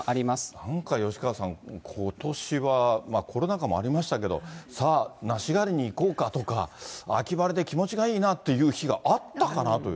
なんか吉川さん、ことしはコロナ禍もありましたけれども、さあ、梨狩りに行こうかとか、秋晴れで気持ちがいいなっていう日があったかなという。